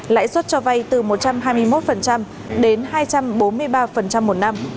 lãi suất cho vay từ một trăm hai mươi một đến hai trăm bốn mươi tám tỷ đồng